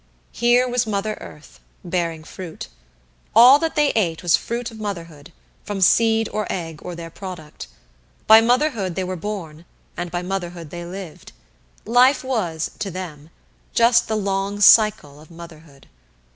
Here was Mother Earth, bearing fruit. All that they ate was fruit of motherhood, from seed or egg or their product. By motherhood they were born and by motherhood they lived life was, to them, just the long cycle of motherhood.